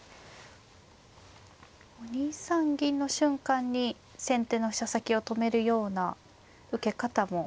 ２三銀の瞬間に先手の飛車先を止めるような受け方も。